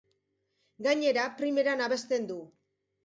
Gainera, primeran abesten du.